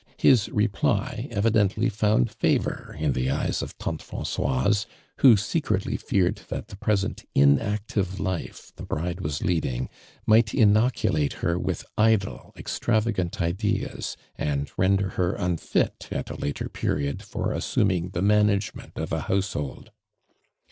His reply evidently found favor in the eyes of tante Francoise. who secretly feared that the present inac tive life thu bride was leading might ino culate her with idle, extravagant ideas, and render her unfit at a later period for assum ing the management of a household.